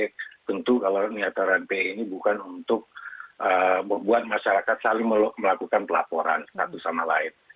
tentu kalau penyataran b ini bukan untuk membuat masyarakat saling melakukan pelaporan satu sama lain